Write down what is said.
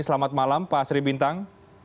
selamat malam pak sri bintang